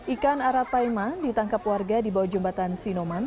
ikan arapaima ditangkap warga di bawah jembatan sinoman